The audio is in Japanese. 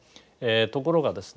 ところがですね